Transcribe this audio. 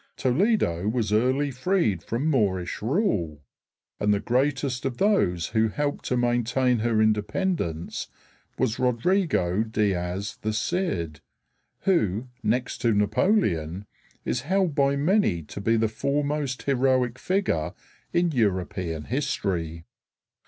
Toledo was early freed from Moorish rule, and the greatest of those who helped to maintain her independence was Rodrigo Diaz the Cid, who, next to Napoleon, is held by many to be the foremost heroic figure in European history.